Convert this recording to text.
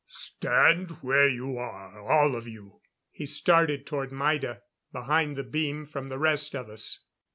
"Stand where you are, all of you." He started toward Maida, behind the beam from the rest of us.